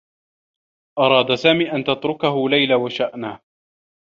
أراد سامي أن تتركه ليلى و شأنه.